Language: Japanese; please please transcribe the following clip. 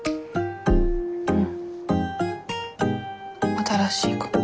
新しいかも。